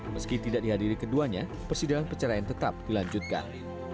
meski tidak dihadiri keduanya persidangan perceraian tetap dilanjutkan